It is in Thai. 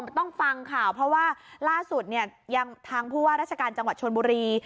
ต้องฟังข่าวเพราะว่าล่าสุดเนี่ยยังทางผู้ว่าราชการจังหวัดชนบุรี